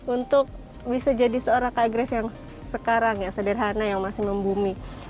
untuk bisa jadi seorang kak grace yang sekarang yang sederhana yang masih membumi